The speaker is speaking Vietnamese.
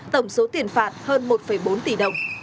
tổng số tiền phạt hơn một bốn tỷ đồng